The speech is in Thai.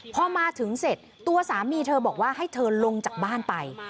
พอมาถึงเสร็จตัวสามีเธอบอกว่าให้เธอลงจากบ้านไป